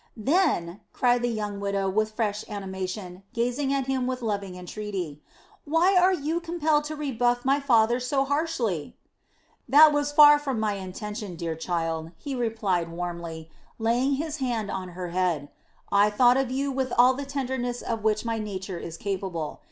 "Then," cried the young widow with fresh animation, gazing at him with loving entreaty, "why were you compelled to rebuff my father so harshly?" "That was far from my intention, dear child," he replied warmly, laying his hand on her head. "I thought of you with all the tenderness of which my nature is capable.